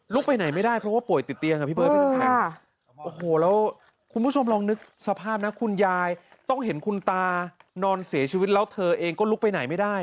ไปไหนไม่ได้เพราะว่าป่วยติดเตียงอ่ะพี่เบิร์พี่น้ำแข็งโอ้โหแล้วคุณผู้ชมลองนึกสภาพนะคุณยายต้องเห็นคุณตานอนเสียชีวิตแล้วเธอเองก็ลุกไปไหนไม่ได้